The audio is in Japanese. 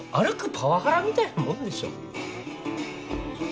パワハラみたいなもんでしょ。